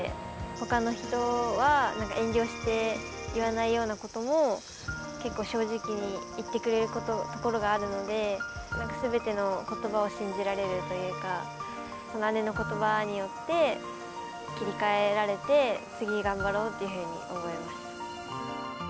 ほかの人はなんか遠慮して言わないようなことも、結構正直に言ってくれるところがあるので、すべてのことばを信じられるというか、姉のことばによって切り替えられて、次、頑張ろうっていうふうに思えました。